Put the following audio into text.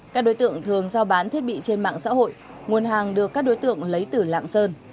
các đối tượng thường giao bán thiết bị trên mạng xã hội nguồn hàng được các đối tượng lấy từ lạng sơn